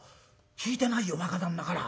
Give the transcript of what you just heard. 聞いてないよ若旦那から。